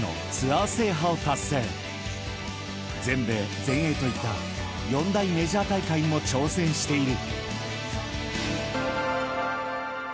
［全米全英といった四大メジャー大会にも挑戦している］